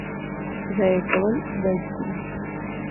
ضایع کول بد دی.